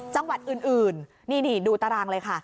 จังหวัดอื่นนี่ดูตารางเลยค่ะ